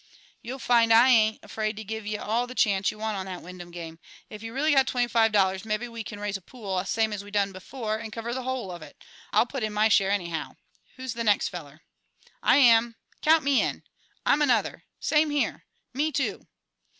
you'll find I ain't afraid to give ye all the chance you want on that Wyndham game. If you've really got twenty five dollars, mebbe we can raise a pool, same as we done before, and cover the whole of it. I'll put in my share anyhaow. Who's the next feller?" "I am!" "Count me in!" "I'm another!" "Same here!" "Me, too!"